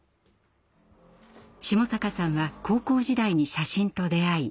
下坂さんは高校時代に写真と出会い